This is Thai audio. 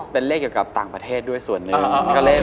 เป็นเลขเกี่ยวกับต่างประเทศด้วยส่วนหนึ่ง